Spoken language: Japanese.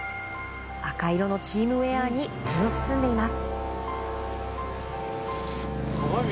赤色のチームウェアに身を包んでいます。